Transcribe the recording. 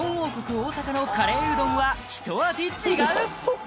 大阪のカレーうどんはひと味違う！